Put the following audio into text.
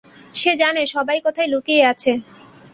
সে জানে, সবাই কোথায় লুকিয়ে আছে।